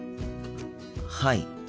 はい。